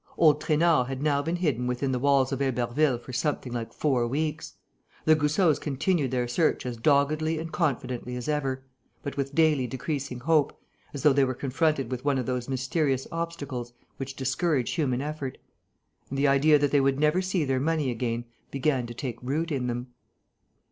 Old Trainard had now been hidden within the walls of Héberville for something like four weeks. The Goussots continued their search as doggedly and confidently as ever, but with daily decreasing hope, as though they were confronted with one of those mysterious obstacles which discourage human effort. And the idea that they would never see their money again began to take root in them.